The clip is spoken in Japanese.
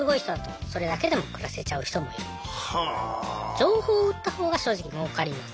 情報を売ったほうが正直もうかります。